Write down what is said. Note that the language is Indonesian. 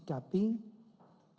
untuk mencari penyelesaian